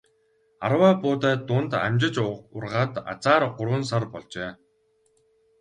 Арвай буудай дунд амжиж ургаад азаар гурван сар болжээ.